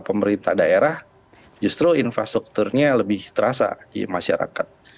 pemerintah daerah justru infrastrukturnya lebih terasa di masyarakat